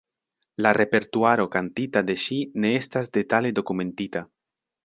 La repertuaro kantita de ŝi ne estas detale dokumentita.